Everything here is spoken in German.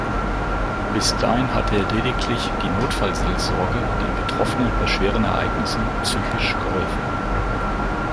Bis dahin hatte lediglich die Notfallseelsorge den Betroffenen bei schweren Ereignissen psychisch geholfen.